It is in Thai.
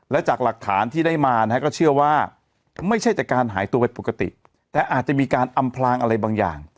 และจากหลักฐานที่ได้มานะฮะก็เชื่อว่าไม่ใช่จากการหายตัวไปปกติแต่อาจจะมีการอำพลางอะไรบางอย่าง